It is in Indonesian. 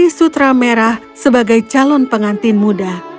dia menemukan sari sutra merah sebagai calon pengantin muda